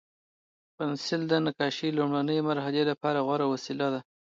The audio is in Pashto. پنسل د نقاشۍ لومړني مرحلې لپاره غوره وسیله ده.